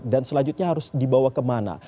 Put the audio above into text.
dan selanjutnya harus dibawa kemana